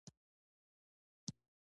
دلته زرګونه زیارتونه او تاریخي ځایونه دي.